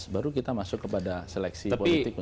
baru kita masuk kepada seleksi politik untuk pencamatan